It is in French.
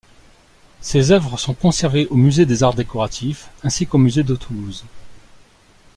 Ses œuvres sont conservées au Musée des arts décoratifs ainsi qu'au Musée de Toulouse.